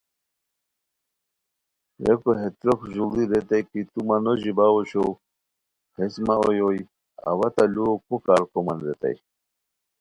ریکو ہے تروق ژوڑی ریتائے کی تو مہ نو ژیباؤ اوشوؤ، ہیس مہ اویوئے، اوا تہ لوؤ کو کار کومان ریتائے